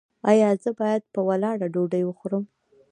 ایا زه باید په ولاړه ډوډۍ وخورم؟